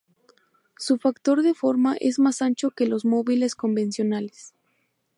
Su factor de forma es más ancho que los móviles convencionales.